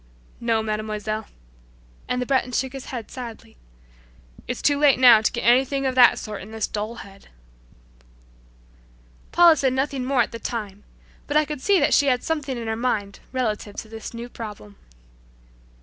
"No, Mademoiselle," and the Breton shook his head sadly, "It's too late now to get anything of that sort in this dull head." Paula said nothing more at the time, but I could see that she had something in her mind relative to this new problem.